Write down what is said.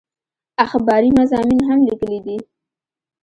اخباري مضامين هم ليکلي دي